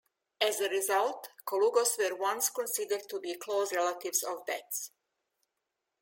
As a result, colugos were once considered to be close relatives of bats.